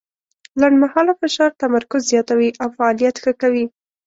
لنډمهاله فشار تمرکز زیاتوي او فعالیت ښه کوي.